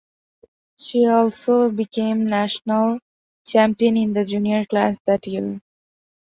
She also became national champion in the Junior class that year.